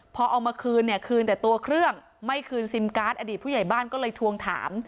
พอเอามาคืนเนี่ยคืนแต่ตัวเครื่องไม่คืนซิมการ์ดอดีตผู้ใหญ่บ้านก็เลยทวงถาม